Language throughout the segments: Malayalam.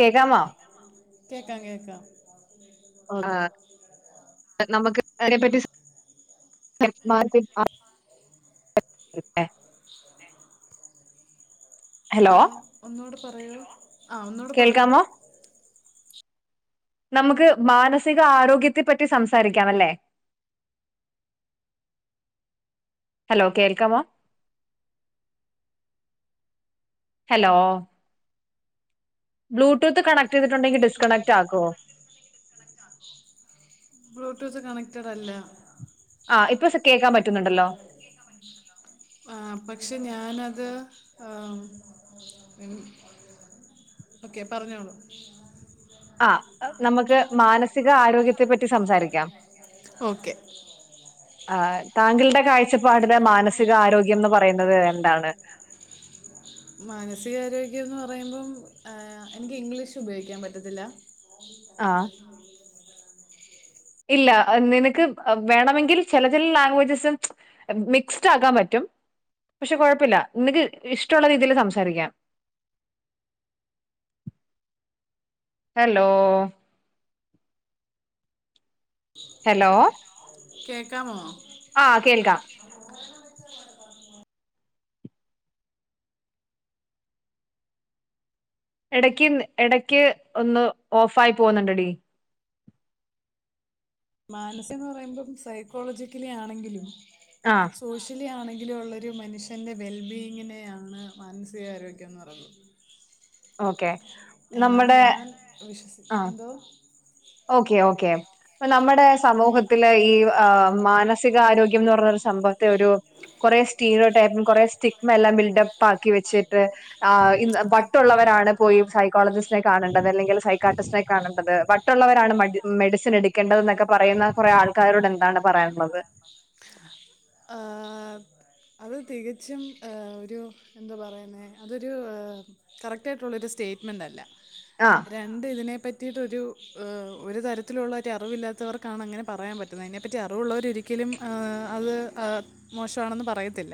കേക്കാമോ കേക്കാം കേക്കാം ആ നമുക്ക് അവരെ പറ്റി സം മാറിപ്പോയി മാ റി ഹലോ ആഹ ഒന്നുടെ പറയൂ ആ ഒന്നൂടെ പറയൂ കേൾക്കാമോ നമുക്ക് മാനസിക ആരോഗ്യത്തെ പറ്റി സംസാരിക്കാംല്ലേ ഹലോ കേൾക്കമോ? ഹലോ? ബ്ലൂടൂത്ത് കണക്ട് ചെയ്തിട്ടുണ്ടെിൽ ഡിസ്കണക്റ്റ് ആകോ. ബ്ലൂടൂത്ത് കണക്റ്റഡ് അല്ല. ആ് ഇപ്പെം കേൾക്കാൻ പറ്റുന്നുണ്ടല്ലോ? പക്ഷെ ഞാനത് ആ ഓക്കെ പറഞ്ഞോളൂ. ആ നമുക്ക് മാനസിക ആരോഗ്യത്തെ പറ്റി സംസാരിക്കാം ഓക്കെ ആ താങ്കളുടെ കാഴ്ചപ്പാടില് മാനസിക ആരോഗ്യംന്ന് പറയുന്നത് എന്താണ്. [inaudible] മാനസികാരോഗ്യംന്ന് പറയുമ്പം എനിക്ക് ഇംഗ്ലീഷ് ഉപയോഗിക്കാൻ പറ്റത്തില്ല. ആഹ് ഇല്ല നിനക്ക് വേണമെങ്കിൽ ചില ചിലതിൽ ലാംഗ്വേജസും മിക്സ്ഡ് ആകാൻ പറ്റും. പക്ഷെ കൊഴപ്പില്ല നിനക്ക് ഇഷ്ടമുള്ള രീതിൽ സംസാരിക്കാം. ഹലോ? ഉ [inaudible] ഹലോ? കേക്കമോ? ആ കേൾക്കാം. [inaudible] ഇടക്ക് ഇടയ്ക്ക് ഒന്ന് ഓഫ് ആയി പോകുന്നുണ്ടടി. മാനസികം എന്ന് പറയുമ്പം സൈക്കോളജിക്കലി ആണെങ്കിലും ആ സോ ലി ആണെങ്കിലും ഉള്ളൊരു മനുഷൃന്റെ വെൽബീയിങ്ങിനെയാണ് മാനസികാരോഗ്യം എന്ന് പറയുന്നത്. ഓക്കെ എന്നാണ് നമ്മുടെ ഞാൻ വിശ്വസി ആ എന്തോ? Okay okay. നമ്മടെ സമൂഹത്തില ഈ ആ മാനസിക ആരോഗ്യംന്ന് പറ്ഞ്ഞ ഒരു സംഭവത്തെ ഒരു. കൊറെ സ്റ്റീലോ ടാപ്പും കൊറെ സ്റ്റിഗ്മ എല്ലാം ബിൽഡപ്പ് ആക്കി വെച്ചിട്ട്. ആഹ് ഇ അത് വട്ടുള്ളവരാണ് പോയി സൈക്കോളജിസ്റ്റിനെ കാണേണ്ടത് അല്ലെങ്കിൽ സൈക്കാർട്ടിസ്റ്റിനെ കാണേണ്ടത് ബ ട്ടുള്ളവരാണ് മെഡിസിൻ എടുക്കേണ്ടത് എന്നൊക്കെ പറയുന്ന കുറെ ആൾക്കാരോട് എന്താണ് പറയാനുള്ളത്? ആഹ്. അത് തികച്ചും ഒരു എന്താ പറയുന്നേ അതൊരു. കറക്റ്റ് ആയിട്ടുള്ള ഒരു സ്റ്റേറ്റ്മെന്റ്ല്ല. ആഹ്. രണ്ട് ഇതിനെ പ്പറ്റിയിട്ട് ഒരു ഒരു തരത്തിലുള്ള ഒരറിവില്ലാത്തവർക്കാണ് അങ്ങനെ പറയാൻ പറ്റ അതിനെപ്പറ്റി അറിവുള്ളവർ ഒരിക്കലും ആ അത് ആ മോശമാണെന്ന് പറയത്തില്ല.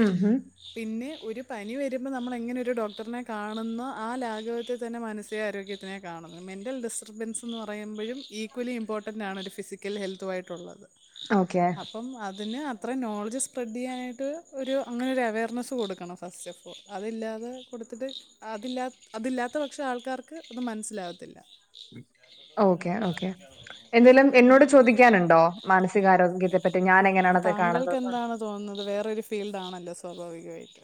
മ് ഹു. പിന്നെ ഒരു പനി വരുമ്പം നമ്മൾ എങ്ങനെ ഒരു ഡോക്ടറ്നെ കാണുന്നു ആ ലാഘവത്തെ തന്നെ മാനസീകാരോഗ്യ നെ കാണുന്നു മെൻ്റൽ ഡിസ്റ്റർബൻസ് എന്ന് പറയുമ്പഴും ഈക്വലി ഇമ്പോർട്ടൻറ് ആണ് ഒരു ഫിസിക്കൽ ഹെൽത്തുയിട്ടുള്ളത്. ഓക്കെ അപ്പം അതിന് അത്ര നോളജ് സ്പ്രെഡ് ചെയ്യാനായിട്ട്. ഒരു അങ്ങനെ ഒരു അവെയർനെസ്സ് കൊടുക്കണം ഫസ്റ്റ് ഓഫ് ഓൾ അതില്ലാതെ കൊടുത്തിട്ട് അതില്ലാ അതില്ലാത്ത പക്ഷേ ആൾക്കാർക്ക് അത് മനസ്സിലാകത്തില്ല. [inaudible] ഓക്കേ ഓക്കേ എന്തേലും എന്നോട് ചോദിക്കാന്ണ്ടോ? മാനസികാരോഗ്യത്തെ. പറ്റെ ഞാന എങ്ങനെയാണത് താങ്കൾക്ക് കാണുന്നത്. എന്താണ് തോന്നുന്നത് വേറൊരു ഫീൽഡ് ആണല്ലോ സ്വാഭാവികായിട്ട്.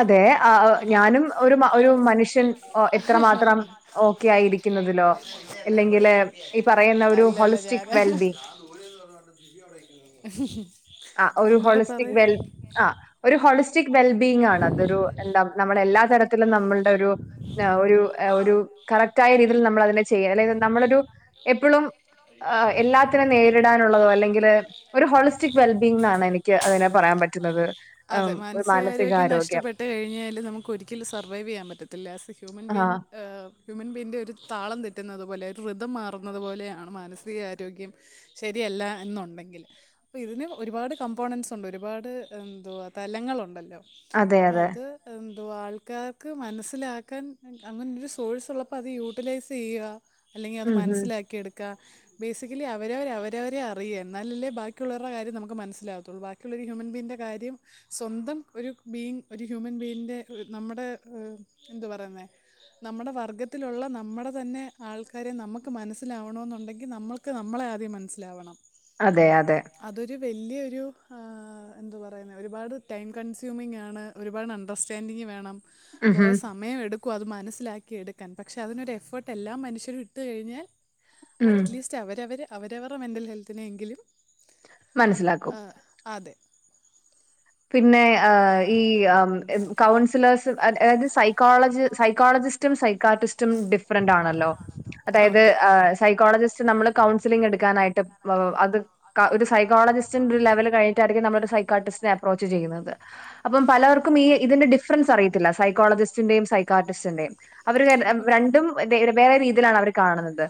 അതെ ആ ഞാനും ഒരു മ ഒരു മനുഷ്യൻ ഒ എത്ര മാത്രം. ഓക്കെ ആയിരിക്കുന്നതിലോ അല്ലെങ്കില് ഈ പറയുന്ന ഒരു ഹോളിസ്റ്റിക് വെൽബീങ്. ആഹ് ഒരു ഒന്നുടെ ഹോളിസ്റ്റിക് പറയ്? വെൽ ആഹ് ഒരു ഹോളിസ്റ്റിക് വെൽബീയിങ് ആണ് അതൊരു എന്താ നമ്മള എല്ലാ തരത്തിലും നമ്മള്ടെ ഒരു. ആഹ് ഒരു എ ഒരു കറക്റ്റായ രീതിയിൽ നമ്മൾ അതിനെ ചെയ്യാ അല്ലെ [unintelligible] നമ്മളൊരു എപ്പളും. അയ്യോ. എല്ലാത്തിനും നേരിടാനുള്ളതോ അല്ലെങ്കിൽ ഒരു ഹോളിസ്റ്റിക് വെൽബീയിങ് ആണ് എനിക്ക് അതിനെ പറയാൻ പറ്റുന്നത്. അതെ ഏഹ് ഒരു മാനസികാരോഗ്യം നഷ് ഷ്ടപ്പെട്ട് കഴിഞ്ഞാൽ നമുക്ക് ഒരിക്കലും സർവൈവ് ചെയ്യാൻ പറ്റത്തില്ല as a human being ah a human ബീയിൻ്ന്റെ ഒരു താളം തെറ്റുന്നത് പോലെ ഒരു റിതം മാറുന്നത് പോലെയാണ് മാനസികാരോഗ്യം ശ രിയല്ല എന്നുണ്ടെങ്കിൽ. ഇപ്പ ഇതിന് ഒരുപാട് കമ്പോണൻസ് ഉണ്ട് ഒരുപാട് എന്തുവാ തലങ്ങളുണ്ടല്ലോ അതെ അപ്പം അതെ. അത്. എന്തോ ആൾക്കാര്ക്ക് മനസ്സിലാക്കാൻ അങ്ങനെരു സോഴ്സ് ഉള്ളപ്പോ അത് യൂട്ടിലൈസ് ചെയ്യുക. അല്ലെങ്കിൽ അത് ഉം ഉം. മനസ്സിലാക്കിയെട്ക്ക ബേസിക്കലി അവരവർ അവർ. വരവരെ അറിയ്ക എന്നാല് അല്ലെ ബാക്കിയുള്ളോര്ടെ കാര്യം നമുക്ക് മനസ്സിലാവത്തുള്ളൂ ബാക്കിയുള്ളോരു ഹ്യൂമൻബീന്റെ കാര്യം. സ്വന്തം ഒരു ബീങ് ഒരു ഹ്യൂമൻ ബീയിന്റെ നമ്മുടെ എന്താ പറയുന്നേ. നമ്മടെ വർഗത്തിലുള്ള നമ്മടെ തന്നെ ആൾക്കാരെ നമുക്ക് മനസ്സിലാവണോന്നുണ്ടെങ്കിൽ നമ്മൾക്ക്. ക്ക് നമ്മളെ ആദ്യം മനസ്സിലാവണം. അതെ അതെ. അതൊരു വലൃയൊരു ആ എന്തു പറയ്ന്നേ ഒരുപാട് ടൈം കൺസ്യൂമിംഗാണ്. ഒരുപാട് അണ്ടർസ്റ്റാൻഡിങ്ങ് വേണം ഉം കൊറെ ഉം. സമയം എടു അത് മനസ്സിലാക്കി എടുക്കാൻ പക്ഷെ അതിനൊ എഫേർട്ട് എല്ലാ മനുഷ്യരും ഇട്ട് കഴിഞ്ഞാൽ ഉം. അറ്റ്ലീസ്റ്റ് അവരവര് അവരവറെ മെന്റൽ ഹെൽത്തിനെങ്കിലും മനസ്സിലാക്കും. ആ അതെ പിന്നെ ആഹ് ഈ ആഹ് കൗൺസിലേഴ്സ് അതത് സൈക്കോളജി സൈക്കോളജിസ് സൈക്രാട്ടിസ്റ്റും ഡിഫ്റെന്റ് ആണല്ലോ അതായത് ഓക്കെ സൈക്കോളജിസ് പക്ഷെ നമ്മള് കൗൺസലിങ്ങ് എടുക്കാനായിട്ട് അത് ഒരു സൈക്കോളജിസ്റ്റ്ന്റെ ഒരു ലെവൽ കഴി നമ്മളൊരു സൈക്രട്ടിസ്റ്റിനെ അപ്പ്രോച്ച് ചെയ്യുന്നത് അപ്പം പലർക്കും ഈ ഇതിന്റെ ഡിസ് ഡിഫ്രൻസ് അറയത്തില്ല സൈക്കോളജിറ്റിന്റെയും സൈ ക്രാട്ടിസ്റ്റിന്റെയും അവര് ര രണ്ടും വേറെവേറെ രീതിയിലാണ് അവർ കാണുന്നത്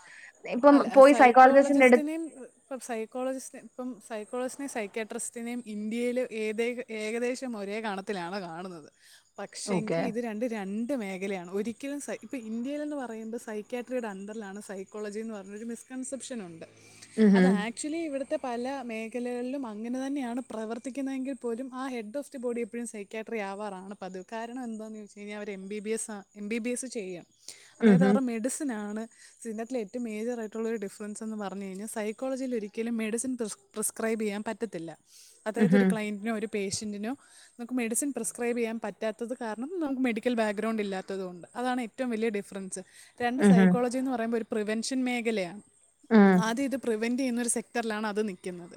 ഇപ്പം അല്ല പോയി സൈക്കോളജിസ്റ്റിന്റെ അടു [unintelligible] ഇപ്പം സൈക്കോളജിസ്റ്റി ഇപ്പം സൈക്കോളജിസ്റ്റിനെയും സൈക്ക്യാട്രിസ്റ്റിനെയും ഇന്ത്യയിൽ ഏതേ ഏകദേശം ഒരേ കാണത്തിലാണ് കാണുന്നത് ഓക്കെ പക്ഷെങ്കി ഇത് രണ്ടു രണ്ടു മേ ഖലയാണ് ഒരിക്കലു ഇപ്പ ഇന്ത്യേൽ പറയുംപോ സൈക്ക്യാട്രിയുടെ അണ്ടറിലാണ് സൈക്കോളജി എന്ന് പറഞ്ഞ മിസ് കൺസെപ്ഷൻണ്ട് അത് ഉഹും, ആ ആക്ച്വലി ഇവിടുത്തെ പല മേഖലകളിലും അങ്ങനെതന്നെയാണ് പ്രവർത്തിക്കുന്നതെങ്കി പോലും ആ ഹെഡ് ഓഫ് ദി ബോഡി എപ്പഴും സൈ ക്യാട്ടറി ആവാറാണ് പതിവ് കാരണ എന്തോന്ന് വെച്ചു കഴിഞ്ഞാ അവര് എം ബി ബി എസ് ആ എം ബി ബി എസ് ചെയ്യാ അതായത് ഉഹും, അവര് മെഡിസിനാണ് ഇതിന്റത്തിൽ ഏറ്റവും മേജറായിട്ടുള്ള ഒരു ഡിഫ്രൻസ് എന്ന് പറഞ്ഞ് കഴിഞ്ഞാൽ സക്കോളജിയിലൊരിക്കലും മെഡിസിൻ പ്രിസ് പ്രിസ്ക്രൈബ് ചെയ്യാൻ പറ്റത്തില്ല അതായത് ഒരു ഉഹും, ക്ലൈന്റിന് ഒരു പേഷ്യന്റിനോ നമുക്ക് മെഡിസിൻ പ്രിസ്ക്രൈബ് ചെയ്യൻ പറ്റാത്തത് കാരണം നമുക്ക് മെഡിക്കൽ ബാക്ക്ഗ്രൗണ്ട് ഇല്ലാത്ത ത്തതുകൊണ്ട് അതാണ് ഏറ്റവും വലിയ ഡിഫ്രൻസ് രണ്ട് ഉഹും, സൈക്കോളജിന്ന് പറയുമ്പോ ഒരു പ്രിവെൻഷൻ മേഖലയാണ് ഉം, ആദ്യം ഇത് പ്രിവെന്റ് ചെയ്യുന്ന ഒരു സെക്ടറിലാണ് അത് നിൽക്കുന്നത്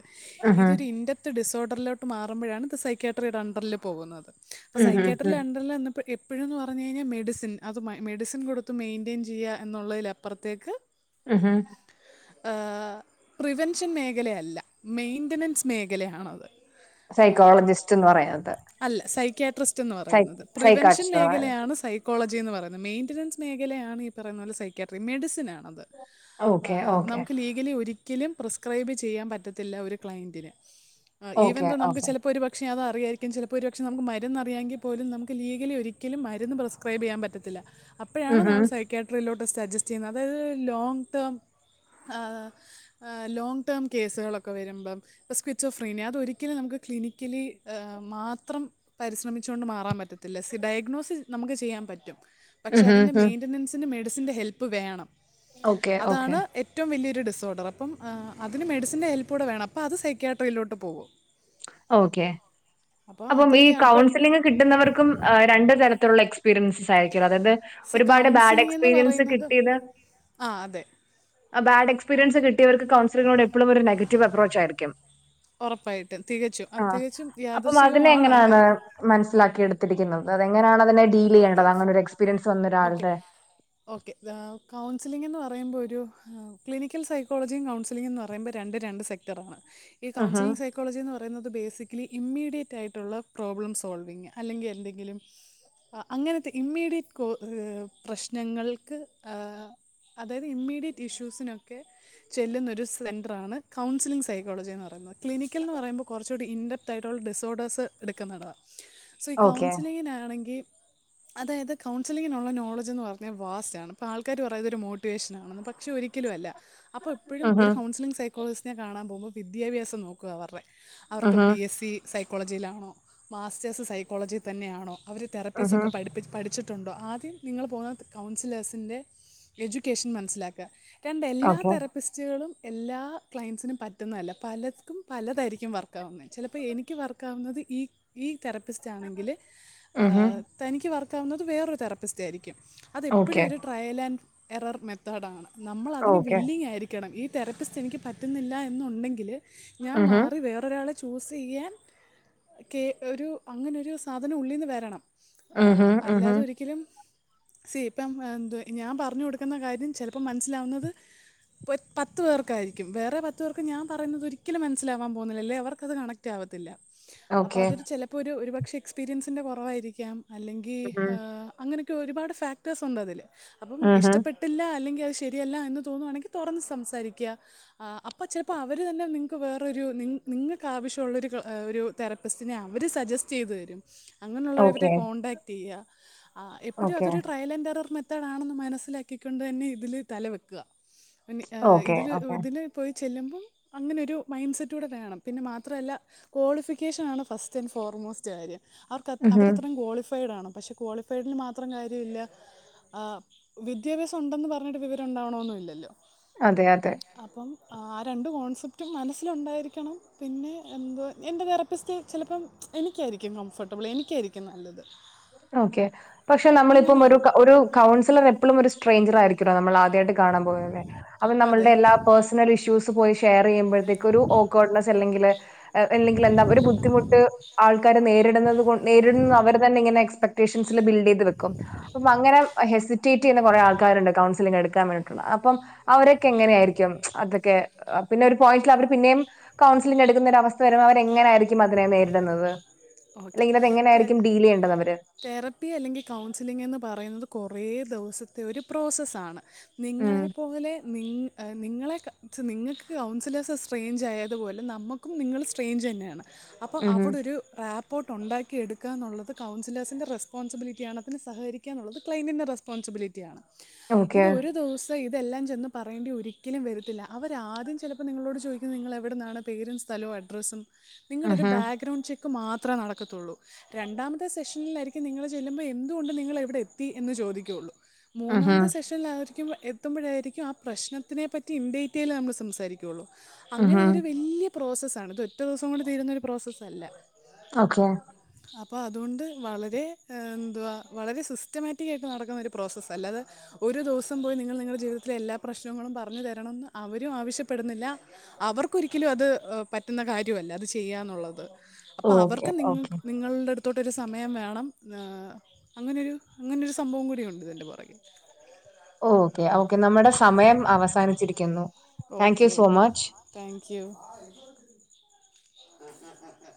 ഉഹും, ഇതൊരു ഇ ത് ഡിസോർഡറിലോട്ട് മാറുമ്പോഴാണ് ഇത് സൈക്യാട്രീയുടെ അണ്ടറിൽ പോകുന്നത് അ ഉഹും, സൈക്യാട്രീലെ ഉഹും, അണ്ടറിൽ നിന്ന് എപ്പയുന്ന് പറഞ്ഞു കഴിഞ്ഞ മെ മെഡിസിൻ അത് മെഡിസിൻ കൊടുത്ത് മെയ്ന്റെയ്ൻ ചെയ്യ എന്നുള്ളതിലപ്പുറത്തേക്ക് ഡിസ് ഹ് ഹ് ആ പ്രിവെൻഷൻ മേഖലയല്ല മെയിന്റനൻസ് മേഖലയാണത് സൈക്കോളജിസ്റ്റ്ന്ന് പറയുന്നത് അല്ല സൈക്ക്യാട്രിസ്റ്റ് എന്ന് പറയുന്നത് പ്രിവെൻഷൻ സൈക്കാട്രിസ്റ്റ് എന്ന് പറയുന്നത് മേഖലയാണ് സ കോളജിന്ന് പറയുന്നത് മെയിന്റനൻസ് മേഖലയാണ് ഈ പറയുന്ന പോലെ സൈക്കാട്രി മെഡിസിൻ ആണത് ഓക്കെ ആഹ് ഓക്കെ നമുക്ക് ലീഗലി ഒരു ലും പ്രിസ്ക്രൈബ് ചെയ്യാൻ പറ്റത്തില്ല ഒരു ക്ലൈന്റിന് ആ ഓക്കെ ഈവന്റ് നമുക്ക് ഓക്കെ ചിലപ്പോൾ ഒരു വ പക്ഷേ അത് അിറിയായിരിക്കും ചിലപ്പോ ഒരു പക്ഷെ നമുക്ക് മരുന്ന് അറിയാങ്കി പോലും നമുക്ക് ലീഗലി ഒരിക്കലും മരുന്ന് പ്രിസ്‌ സ്ക്രൈബ് ചെയ്യാൻ പറ്റത്തില്ല അപ്പോഴാണ് നമ്മൾ ഉഹും, സൈക്ക്യാട്രിയിലോട്ട് സ്റ്റജസ്റ് ചെയ്യുന്നത് അതായത് ലോങ്ങ് ടേം ആഹ് അഹ് ലോങ്ങ് ടേം കേസുകളൊക്കെ വരുമ്പം ഇ സ്വിച്ച് ഓഫ് പ്രൈനി അതൊരിക്കലു നമുക്ക് ക്ലിനിക്കലി മാത്രം പരിശ്രമിച്ചോണ്ട് മാറാൻ പറ്റത്തില്ല സി ഡയഗ്നോസിസ് നമുക്ക് ചെയ്യാൻ പറ്റും പക്ഷെ ഉഹും, അതിന്റെ ഉഹും. മെയിന്റനൻസിന് മെഡിസിന്റെ ഹെല്പ്പ് വേണം ഓക്കെ ഓക്കെ അതാണ് എ എറ്റവും വലിയൊരു ഡിസോർഡർ അപ്പ അതിന് മെഡിസിൻ്റെ ഹെല്പ്പൂടെ വേണം അത് സൈക്ക്യാട്രിയിലോട്ട് പോകും ഓക്കെ അപ്പോൾ അപ്പം ഈ അതൊക്കെയാണ് ഇപ്പം കൌൺസിലിംഗ് കിട്ടുന്നവർക്കും രണ്ട് തരത്തിലുള്ള എക്സ് ക്സ്പീരിയൻസ് ആയിരിക്കൂല അതായത് സി ഒരുപാട് ബാഡ് കൗൺസിലിംഗ് എന്ന് എക്സ്പീരിയൻസ് പറയുന്നത് കിട്ടിയത് ആ അതെ ബാഡ് എക്സ്പീരിയൻസ് കിട്ടിയവർക്ക് കൗൺസിലിനോട് എപ്പോഴും ഒരു നെഗറ്റീവ് അപ്പ്രോച്ച് ആയിരിക്കും ഒറപ്പായിട്ടും തികച്ചും ആഹ് തികച്ചും അപ്പം അതിനെ യാദർശികമാണ് ആ എങ്ങനെയാണ് കഥ മനസ്സിലാക്കിയെടുത്തിരിക്കുന്നത് അതെങ്ങനെയാണ് അതിനെ ഡീൽ ചെയ്യേണ്ടത് ഓക്കെ അങ്ങനൊരു എക്സ്പീരിയൻസ് ഓക്കെ വന്നൊരാളുടെ ഓക്കെ താ കൗൺസിലിങ്ന്ന് പറയുമ്പ ഒരു ക്ലിനിക്കൽ സൈക്കോളജിയും കൗസിലിംങുന്ന് പറയുമ്പ രണ്ട് രണ്ട് സെക് [unintelligible] ഈ കൗൺസിലിങ് സെ കോളജ് ഇന്ന് പറയുന്നത് ബേയ്സിക്കലി ഇമ്മീഡിയറ്റ് ആയിട്ടുള്ള പ്രോബ്ലം സോൾവിങ് അല്ലെങ്കി എന്തെങ്കിലും. അങ്ങനത്തെ ഇമ്മീഡിയറ്റ് കോ ഹ് പ്രശ്നങ്ങൾക്ക് ഏഹ് അതായത് ഇമ്മീഡിയറ്റ് ഇഷ്യൂസിനൊക്കെ ചെല്ലുന്നൊരു സെന്റ്രാണ് കൗൺസിലിംഗ് സൈക്കോളജി ഇന്ന് പറയുന്നത്. ക്ലിനിക്കൽന്നു പറയുമ്പൊ കൊറച്ചുകൂടി ഇൻ്ഡർ തൈറോൾ ഡിസോഡേഴ്സ് ഇട്ക്കുന്നതാ സി ഓക്കെ കൗൺസിലിങ്ങിനാണെങ്കി അതായത് കൗൺസിലിങ്ങിനുള്ള നോളജ് ഇന്ന് പറഞ്ഞാ വാസ്റ്റാണ്. അപ്പ ആൾക്കാർ പറയുന്നത് ഒരു മോട്ടിവേഷനാണെന്ന് പക്ഷെ ഒരി രിക്കലു അല്ല. അപ്പൊ എപ്പഴും ഒരു കൗൺസിലിംഗ് സൈക്കോളജ്സ്റ്റിനെ കാണാൻ പോകുമ്പൊ വിദ്യഭ്യാസം നോക്ക്വ പറ്ഞ്ഞെ അവർക്ക് ഓക്കെ ബി എസ് സി സൈക്കോളജിയിലാണൊ, മാസ്റ്റേഴ്സ് സൈക്കോളജിയി തന്നെ ആണോ അവര് പീസ് ഒക്കെ പഠിപ്പിച്ച് പഠിച്ചിട്ടുണ്ടൊ. ആദ്യം നിങ്ങൾ പോണ കൗൺസ് ലേഴ്സിൻ്റെ എജ്യൂക്കേഷൻ മനസ്സിലാക്ക. ദെൻ എല്ലാ ഓക്കെ ഓക്കെ തരത് ഇസ്റ്റുകളും എല്ലാ ക്ലൈൻറ്സിനും പറ്റുന്നതല്ല. പലർക്കും പലതായിരിക്കും വർക്കാവുന്നെ ചെലപ്പ എനിക്ക് വർക്കാവുന്നത് ഈ ഈ തെറപ്പിസ്റ്റ് ആണെങ്കില് ആ തനിക്ക് വർക്കാവുന്നത് വേറൊരു തെറാപ്പിസ്റ്റ് ആയിരിക്കും. അതെപ്പെഴും ഓക്കെ ഒര് ട്രയല് എലാൻ എറർ മെത്തേഡാണ്. നമ്മൾ അതിന് ഓക്കെ വില്ലിങ്ങായി. ക്കണം. ഈ തെരപ്പിസ്റ്റ് എനിക്ക് പറ്റുന്നില്ല എന്നുണ്ടെങ്കില് ഞാൻ മാറി വേറൊരാളെ ചൂസ് ചെയ്യാൻ കേ ഒരു അങ്ങനൊരു സാധനം ഉള്ളീന്ന് വരണം. അ അല്ലാതെ ഒരിക്കലും സീ ഇപ്പം എന്ത്വ. ഞാൻ പറഞ്ഞു കൊടുക്ക്ന്ന കാര്യം ചെലപ്പം മൻസ്സിലാവുന്നത്. ഇ പത്തു പേർക്കായിരിക്കും. വേറെ പത്തു പേർക്ക് ഞാൻ പറയുന്നത് ഒരിക്കലും മനസ്സിലാവാൻ പോന്നില്ല. അല്ലെ അവർക്കത് കണക് റ്റാവത്തില്ല. അപ്പൊ ഓക്കെ അതൊരു ചെലപ്പൊ ഒരു ഒരുപക്ഷെ എക്സ്പീരിയൻസിന്റെ കൊറവായിരിക്കാം. അല്ലെങ്കി ആ അങ്ങനെയൊക്കെ ഒരുപാട് ഫാക്ടേഴ്സ് ഉണ്ട് അതില്. അപ്പം ഇഷ്ടപ്പെട്ട് ട്ടില്ല അല്ലെങ്കി അത് ശരിയല്ല എന്ന് തോന്ന്വാണെങ്കി തൊറന്ന് സംസാരിക്ക. അപ്പൊ ചെലപ്പൊ അവര് തന്നെ നിങ് ക്ക് വേറൊരു നി നിങ്ങക്ക് ആവശ്യള്ളൊരു ഒരു തെറപ്പിസ്റ്റിനെ അവര് സജസ്റ്റ് ചെയ്തു തരും. അങ്ങനെയുള്ളവരെ ഓക്കെ കോടാക്ട് ചെയ്യ. എപ്പഴും ഓക്കെ അതൊരു ട്രയലന്ററർ മെ ത്തെടാണെന്ന് മനസ്സിലാക്കിക്കൊണ്ട് തന്നെ ഇതില് തല വെക്ക. പി ഇതില് ഇതില് പോയി ചെല്ലുമ്പം അങ്ങനൊരു മൈൻഡ് സെറ്റ് കൂടെ വേണം. പിന്നെ മാത്രല്ല ക്വാളിഫിക്കേഷൻ ആണ് ഫസ്റ്റ് അന്റ് ഫോർമോസ്റ്റാര്യം. അർക്ക് അവര് അത്ര ക്വാളിഫൈഡ് ആണ്. പക്ഷെ ക്വാളിഫൈഡ്ല് മാത്രം കാര്യല്ല. ആഹ് വിദ്യാഭ്യാസം ഉണ്ടെന്ന് പറഞ്ഞിട്ട് വിവരം ഉണ്ടാവണോന്നും ഇല്ലല്ലോ. അതെ അതെ. അപ്പം ആ രണ്ട് കോൺസെപ്റ്റും മനസ്സിലുണ്ടായിരിക്കണം. പിന്നെ എന്തൊ എൻ്റെ തെറപ്പിസ്റ്റ് ചെലപ്പം എനിക്കായിരിക്കും കംഫോർട്ടബിൾ എനിക്കായിരിക്കും നല്ലത്. ഓക്കെ. പക്ഷെ അ- നമ്മളിപ്പം ഒരു അങ്ങനെയുണ്ട് ഒരു കൗൺസിലർ എപ്പളും ഒരു സ്ട്രയ്ഞ്ചർ ആയിരിക് ക്കിട നമ്മളാദ്യായിട്ട് കാണാൻ പോകല്ലെ. അപ്പൊ നമ്മൾടെ അതെ എല്ലാ പേഴ്സണൽ ഇഷ്യൂസ് പോയി ഷെയർ ചെയ്യുമ്പഴ്ത്തേക്കു. ഒരു ഓക്ക്‌വെട്നെസ് അല്ലെങ്കില് ഇല്ലെങ്കില് എന്താ ഒരു ബുദ്ധിമുട്ട് ആൾക്കാര് നേരിടുന്നത് നേരിടുന്ന അവർ തന്നെ ഇങ്ങനെ ട്ടീഷ്യംസില് ബിൽഡെയ്ത് വെക്കും. അപ്പൊ അങ്ങനെ ഹെസിറ്റേയ്റ്റ് ചെയുന്ന ആൾക്കാര്ണ്ട് കൗൺസിലിങ്ങില് എടുക്കാൻ വേണ്ടിട്ടുള്ള. അപ്പം അവരൊക്കെ എങ്ങനെ ആയിരിക്കും. അതൊക്കെ അപ പിന്നെ ഒരു പോയിന്റില് അവര് പിന്നെയും കൗൺസിലിങ് എടുക്കുന്ന ഒര അവസ്ഥ വരുമ്പം അവര് എങ്ങനായിരിക ക്ക്യ് മാത്രമേ നേരിട്ന്നത്. അല്ലെങ്കില് ഓക്കെ അതെങ്ങനെആയിരിക്കും ഡീല് ചെയ്യേണ്ടത് അവര് തെറപ്പി അല്ലെങ്കിൽ കൗൺസിലിംഗ എന്ന് പറയുന്നത് കുറേ ദിവസത്തെ ഒരു പ്രോസസ്സണ് ഉം. നിങ്ങളെ പോലെ നിങ്ങ നിങ്ങളെ നിങ്ങൾക്ക് കൗൺസിലേഴ്സ് സ്ട്രെയിഞ്ച് ആയതുപോലെ നമുക്കും നിങ്ങള് സ്ട്രെയിഞ്ച് തന്നെയാണ് അപ്പൊ അവിടൊരു റാപ്പോർട്ട് ഉണ്ടാക്കി എടുക്കുകന്നുള്ളത് കൗൺസിലേഴ്സിൻന്റെറെസ്പോൺസിബിലിറ്റിയാണതിന് അതില് സഹകരിക്കുക ന്നു ള്ളത് ക്ലെന്റിന്റെ റെസ്പോൺസിബിലിറ്റി ആണ് ഇത് ഒരു ദിവസ ത്തെ ഇതെല്ലാം ചെന്ന് പറയേണ്ടി ഒരിക്കലും വരത്തില്ല അവർ ആദ്യം ചിലപ്പോൾ നിങ്ങളോട് ചോദിക്കുന്നത് നിങ്ങളൾ എവിടുന്നാണ് പേരും സ്ഥലോം അഡ്രെസ ഡ്രസും നിങ്ങളുടെ ഒരു ബാക്ക്ഗ്രൗണ്ട് ചെക്ക് മാത്രമേ നടക്കത്തുള്ളൂ രണ്ടാമത്തെ സെഷനിലായിരിക്കും നിങ്ങള്ൾ ചെല്ലുമ്പോൾ എന്തുകൊണ്ട് നിങ്ങളിവടെ എത്തി എന്ന് ചോദിക്കുള്ളൂ മൂന്നാമത്തെ സെഷ ൽ എത്തുമ്പോഴായിരിക്കും ആ പ്രശ്നത്തിനെപ്പറ്റി ഇൻ ഡീറ്റെയിൽ നമ്മൾ സംസാരിക്കയുള്ളൂ അങ്ങനെ ഇതൊരു വലിയ പ്രോസസ്സാണ് ഇത് ഒറ്റ ദിവസം കൊണ്ട് തീരുന്നൊരു പ്രോസസ്സല്ല ഓക്കെ അപ്പ അതോണ്ട് വളരെ എന്തുവാ വളരെ സിസ്റ്റമാറ്റിക്ക ആയിട്ട് നടക്കുന്നൊ ഒരു പ്രോസസ്സസ് അല്ലാതെ ഒരു ദിവസം പോയി നിങ്ങൾ നിങ്ങളുടെ ജീവിതത്തിലെ എല്ലാ പ്രശ്നങ്ങളും പറഞ്ഞു തരണംന്ന് അവരും ആവശ്യപ്പെടുന്നില്ല അവർക്കൊരിക്കലും അത് പറ്റുന്ന കാര്യ- ല്ല അത് ചെയ്യാന്നുള്ളത് അപ്പൊ അവർക്ക് നിങ്ങ നിങ്ങളുടെടു- തോട്ടൊരു സമയം വേണം അങ്ങനെയൊരു അങ്ങനൊരു സംഭവം കൂടിയുണ്ട് ഇതിൻ്റെ പുറകെല് ഓക്കെ ഓക്കെ നമ്മുടെ സമയം അവസാനിച്ചിരിക്കുന്നു thank you okay so much thank you ah ah